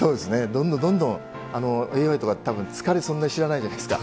どんどんどんどんＡＩとかたぶん疲れそんな知らないじゃないですか。